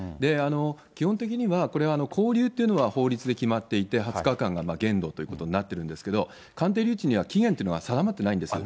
基本的には、これは勾留っていうのは法律で決まっていて、２０日間が限度ということになってるんですけど、鑑定留置には期限というのは定まってないんです。